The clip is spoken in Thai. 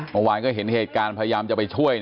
เมื่อวานก็เห็นเหตุการณ์พยายามจะไปช่วย